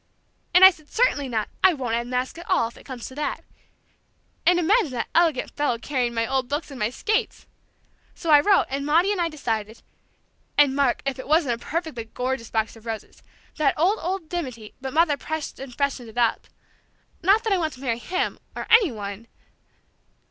"...and I said, 'Certainly not! I won't unmask at all, if it comes to that!'... And imagine that elegant fellow carrying my old books and my skates! So I wrote, and Maudie and I decided... And Mark, if it wasn't a perfectly gorgeous box of roses!... That old, old dimity, but Mother pressed and freshened it up.... Not that I want to marry him, or any one..."